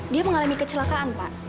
dia mengalami kecelakaan pak